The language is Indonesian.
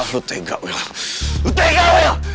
lu udah gelap mata kan